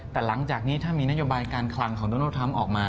แต่หลังจากนี้ถ้ามีนโยบายการคลังของโดนัลดทรัมป์ออกมา